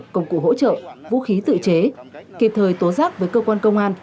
công cụ hỗ trợ vũ khí tự chế kịp thời tố giác với cơ quan công an